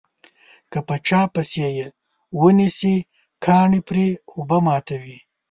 که په چا پسې یې ونسي کاڼي پرې اوبه ماتوي.